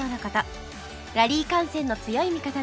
ラリー観戦の強い味方です